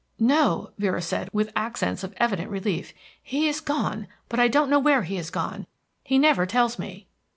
"No," Vera said with accents of evident relief. "He is gone, but I don't know where he is gone. He never tells me."